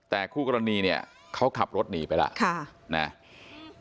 แต่คู่กรณีเนี่ยเขาขับรถหนีไปแล้ว